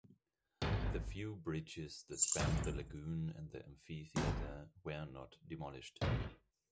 The few bridges that spanned the lagoon and the amphitheater were not demolished.